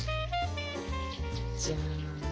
じゃん！